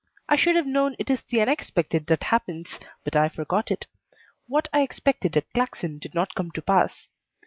I should have known it is the unexpected that happens, but I forgot it. What I expected at Claxon did not come to pass.